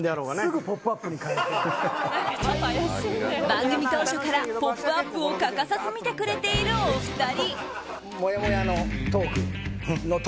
番組当初から「ポップＵＰ！」を欠かさず見てくれているお二人。